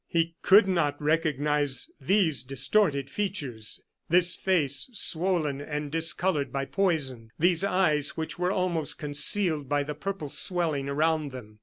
He could not recognize these distorted features, this face swollen and discolored by poison, these eyes which were almost concealed by the purple swelling around them.